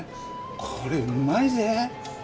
これうまいぜ。